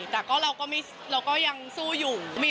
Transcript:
แต่แล้วก็เรายังสู้อยู่